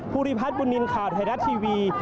ภูริพัฒน์บุญนินทร์ข่าวไทยรัฐทีวี